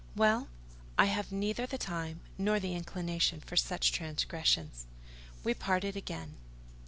"Well, I have neither the time nor the inclination for such transgressions." We parted again.